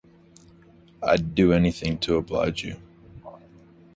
I’d do anything to oblige you.